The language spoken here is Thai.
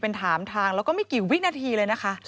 เป็นถามทางแล้วก็ไม่กี่วินาทีเลยนะคะ